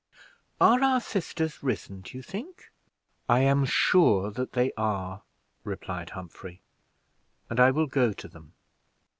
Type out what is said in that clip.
"Are our sisters risen, do you think?" "I am sure that they are," replied Humphrey, "and I will go to them."